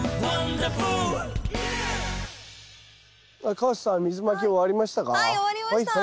川瀬さん水まき終わりましたか？